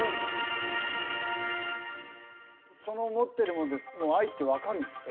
その持ってるもので愛って分かるんですか？